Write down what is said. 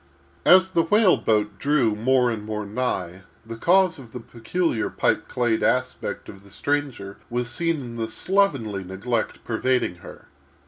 As the whale boat drew more and more nigh, the cause of the peculiar pipe clayed aspect of the stranger was seen in the slovenly neglect pervading her.